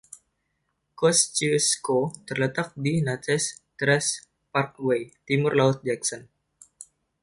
Kosciusko terletak di Natchez Trace Parkway, timur-laut Jackson.